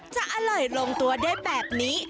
จะอร่อยลงตัวได้แบบนี้